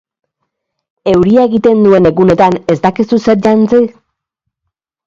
Euria egiten duen egunetan ez dakizu zer jantzi?